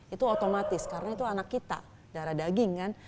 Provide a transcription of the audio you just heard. itu otomatis karena itu anak kita darah daging kan